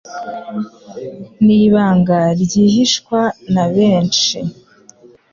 N'ibanga ryihishwa na benshi